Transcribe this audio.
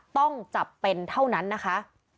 ต้องจับเป็นเท่านั้นนะคะ